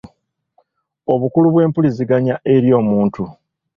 obukulu bw’empuliziganya eri omuntu